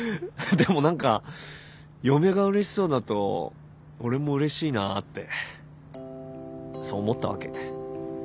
でも何か嫁がうれしそうだと俺もうれしいなぁってそう思ったわけ。